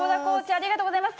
ありがとうございます。